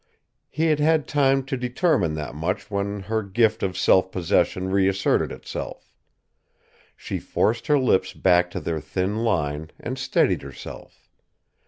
He had had time to determine that much when her gift of self possession reasserted itself. She forced her lips back to their thin line, and steadied herself.